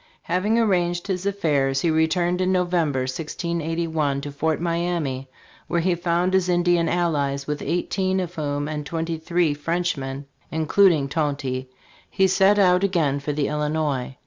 Having arranged his affairs, he returned in November, 1681, to Fort Miamis, where he found his Indian allies, with eighteen of whom and twenty three French men, including Tonty, he set out again for the Illinois.